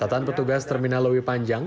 catatan petugas terminal lewi panjang